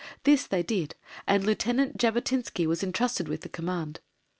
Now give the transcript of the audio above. This they did, and Lieutenant Jabotinsky was entrusted with the command.